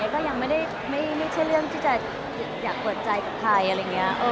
ก็ยังไม่ใช่เรื่องที่จะอยากเปิดใจกับใคร